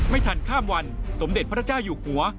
ไม่ทันข้ามวันสมเด็จพระเจ้าอยู่หัว